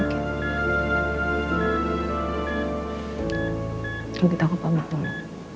kalau tidak aku pamit dulu